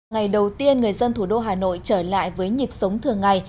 ngày đầu tiên người dân thủ đô hà nội trở lại với nhịp sống thường ngày